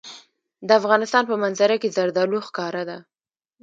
د افغانستان په منظره کې زردالو ښکاره ده.